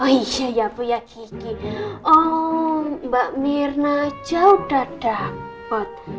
oh iya ya bu ya kiki oh mbak mirna jauh udah dapet